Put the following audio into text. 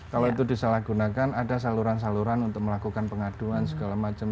kalau itu disalahgunakan ada saluran saluran untuk melakukan pengaduan segala macam